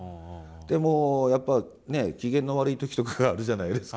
でもうやっぱ機嫌の悪い時とかがあるじゃないですか。